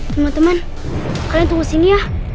teman teman kalian tunggu sini ya